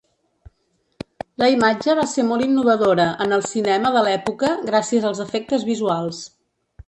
La imatge va ser molt innovadora en el cinema de l’època gràcies als efectes visuals.